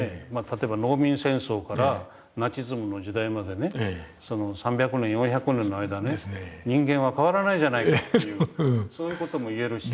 例えば農民戦争からナチズムの時代までねその３００年４００年の間ね人間は変わらないじゃないかというそういう事も言えるし。